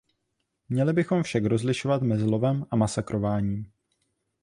Měli bychom však rozlišovat mezi lovem a masakrováním.